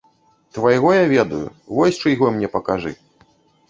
Твайго я ведаю, вось чыйго мне пакажы.